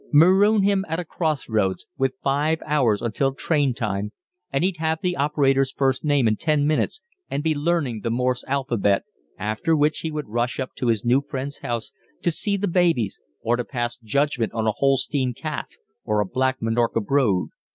Maroon him at a cross roads, with five hours until train time, and he'd have the operator's first name in ten minutes and be learning the Morse alphabet, after which he would rush up to his new friend's house to see the babies or to pass judgment on a Holstein calf or a Black Minorca brood.